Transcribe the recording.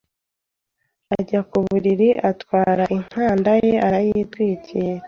ajya ku buriri atwara inkanda ye arayitwikira,